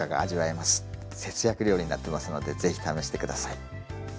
節約料理になってますのでぜひ試してください。